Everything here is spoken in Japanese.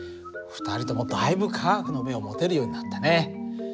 ２人ともだいぶ科学の目を持てるようになったね。